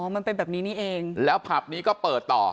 มันเป็นแบบนี้นี่เองแล้วผับนี้ก็เปิดต่อ